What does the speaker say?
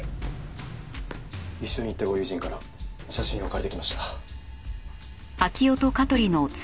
一緒に行ったご友人から写真を借りてきました。